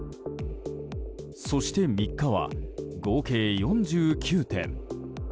そして３日は、合計４９点。